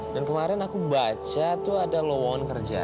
dan kemarin aku baca tuh ada lowongan kerja